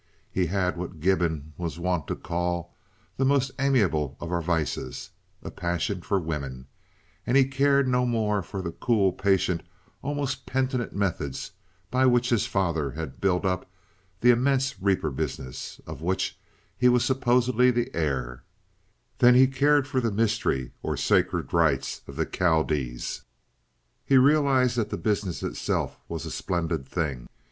He had what Gibbon was wont to call "the most amiable of our vices," a passion for women, and he cared no more for the cool, patient, almost penitent methods by which his father had built up the immense reaper business, of which he was supposedly the heir, than he cared for the mysteries or sacred rights of the Chaldees. He realized that the business itself was a splendid thing.